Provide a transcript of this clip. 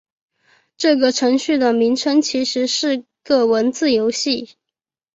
这个程序的名称其实是个文字游戏。